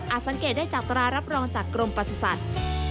สังเกตได้จากตรารับรองจากกรมประสุทธิ์